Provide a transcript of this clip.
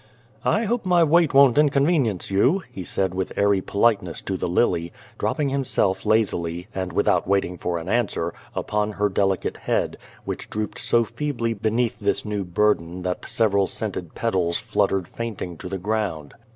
" I hope my weight won't inconvenience you," he said with airy politeness to the lily, dropping himself lazily, and without waiting for an answer, upon her delicate head, which drooped so feebly beneath this new burden that several scented petals fluttered fainting The Garden of God to the ground.